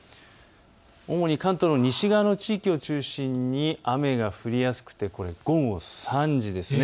主に関東の西側の地域を中心に雨が降りやすくて午後３時です。